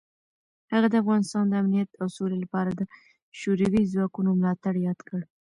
هغه د افغانستان د امنیت او سولې لپاره د شوروي ځواکونو ملاتړ یاد کړ.